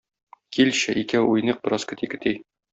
Килче икәү уйныйк бераз кети-кети.